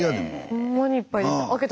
ほんまにいっぱいでした。